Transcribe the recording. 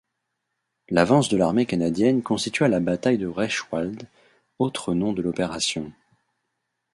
L'avance de l'armée canadienne constitua la bataille de Reichswald, autre nom de l'opération.